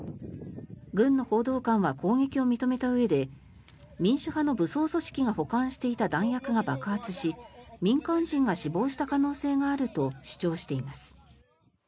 軍の報道官は攻撃を認めたうえで民主派の武装組織が保管していた弾薬が爆発し民間人が死亡した可能性があると主張しています。